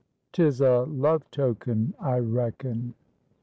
"'TIS A LOVE TOKEN, I RECKON."